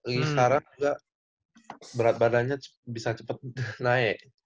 sekarang juga berat badannya bisa cepet naik